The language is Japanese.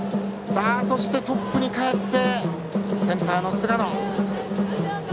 そして、トップにかえってセンターの菅野。